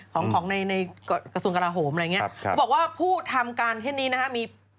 ของในกระสุนกระหลาโหมอะไรอย่างนี้บอกว่าผู้ทำการเท่านี้มีผิดนะครับ